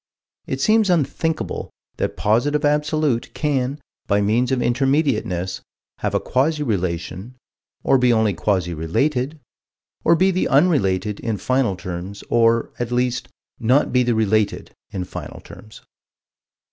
It seems thinkable that the Positive Absolute can, by means of Intermediateness, have a quasi relation, or be only quasi related, or be the unrelated, in final terms, or, at least, not be the related, in final terms.